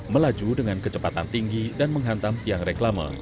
melaju dengan kecepatan tinggi dan menghantam tiang reklama